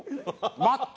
待って！